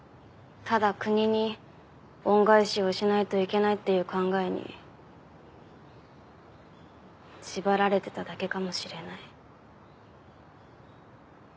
ただ国に恩返しをしないといけないっていう考えに縛られてただけかもしれない。